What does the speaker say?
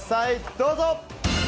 どうぞ！